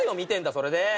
それで。